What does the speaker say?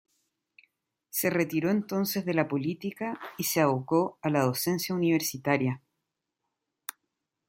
Se retiró entonces de la política y se abocó a la docencia universitaria.